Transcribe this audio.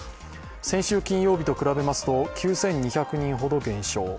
先週金曜日と比べますと９２００人ほど減少。